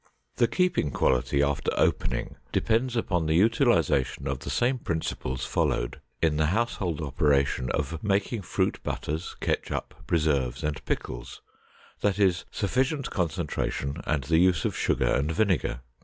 The keeping quality after opening depends upon the utilization of the same principles followed in the household operation of making fruit butters, ketchup, preserves, and pickles, that is, sufficient concentration and the use of sugar and vinegar.